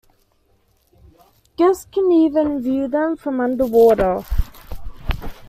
Guests can even view them from underwater.